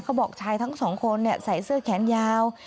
บอกชายทั้งสองคนใส่เสื้อแขนยาว